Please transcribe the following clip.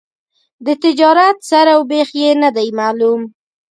د تجارت سر او بېخ یې نه دي معلوم.